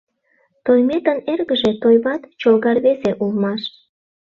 Тойметын эргыже Тойбат чолга рвезе улмаш.